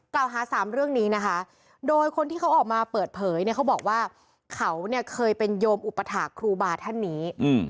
สามเรื่องนี้นะคะโดยคนที่เขาออกมาเปิดเผยเนี่ยเขาบอกว่าเขาเนี่ยเคยเป็นโยมอุปถาคครูบาท่านนี้